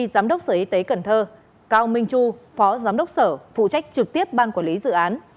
giám đốc sở y tế cần thơ cao minh chu phó giám đốc sở phụ trách trực tiếp ban quản lý dự án